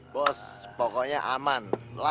bos pokoknya aman